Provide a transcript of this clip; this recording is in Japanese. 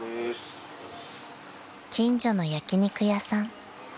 ［近所の焼き肉屋さん］